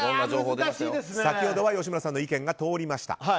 先ほどは吉村さんの意見が通りました。